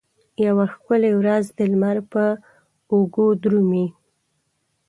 یوه ښکلې ورځ د لمر په اوږو درومې